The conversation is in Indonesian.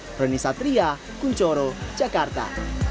nah reni satria kunchoro jakarta